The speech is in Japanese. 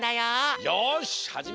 よしはじめよう！